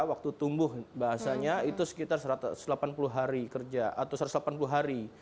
waktu tumbuh bahasanya itu sekitar satu ratus delapan puluh hari kerja atau satu ratus delapan puluh hari